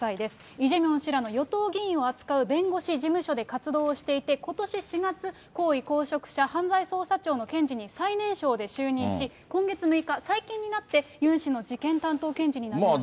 イ・ジェミョン氏ら与党議員を扱う弁護士事務所で活動していて、ことし４月、高位公職者犯罪捜査庁の検事に最年少で就任し、今月６日、最近になってユン氏の事件担当検事になりました。